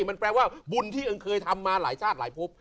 มันแปลว่าบุญที่อึงเคยทำมาหลายชาติหลายพบ